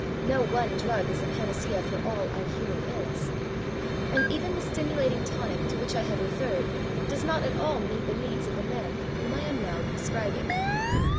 No one drug is a panacea for all our human ills. And even the stimulating tonic to which I have referred does not at all meet the need of the man for whom I am now prescribing.